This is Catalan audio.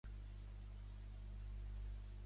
En esclatar la Guerra del Francès va tornar a Sevilla.